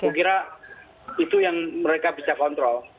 saya kira itu yang mereka bisa kontrol